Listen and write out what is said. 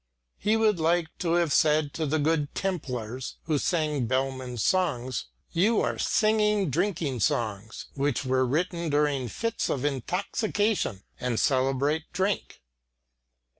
He would like to have said to the Good Templars who sang Bellmann's songs, "You are singing drinking songs which were written during fits of intoxication and celebrate drink."